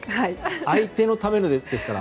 相手のためですから。